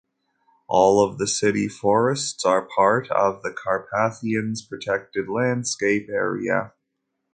All of the city forests are part of the Little Carpathians Protected Landscape Area.